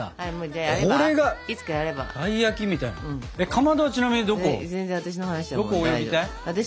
かまどはちなみにどこ泳ぎたい？